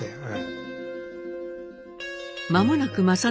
はい。